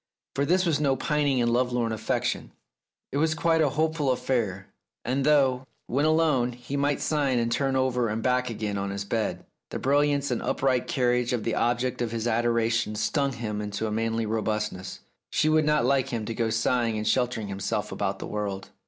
For this was no pining and lovelorn affection ; it was quite a hopeful affair, and though, when alone, he might sigh and turn over and back again on his bed, the brilliance and upright carriage of the object of his adoration stung him into a manly robustness. She would not like him to go sighing and sheltering himself about the world.